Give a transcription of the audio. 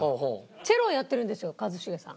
チェロをやってるんですよ一茂さん。